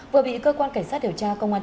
vừa bị cơ quan cảnh sát điều tra công an